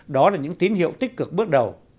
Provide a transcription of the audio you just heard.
đó là những tín hiệu tích cực bước đầu